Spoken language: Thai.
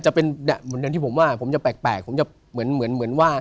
จะเป็นแบบเหมือนที่ผมว่าผมจะแปลกแปลกผมจะเหมือนเหมือนว่า